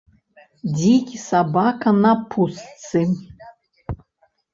Дзікі сабака на пустцы.